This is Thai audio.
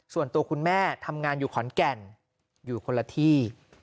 ส่วนตัวคุณแม่ทำงานอยู่ขอนแก่นอยู่คนละที่